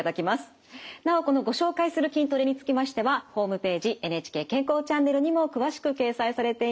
なおこのご紹介する筋トレにつきましてはホームページ「ＮＨＫ健康チャンネル」にも詳しく掲載されています。